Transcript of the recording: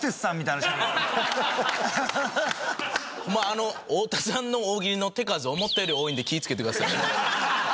あの太田さんの大喜利の手数思ったより多いんで気ぃつけてくださいね。